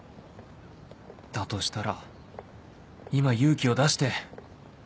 だとしたら今勇気を出して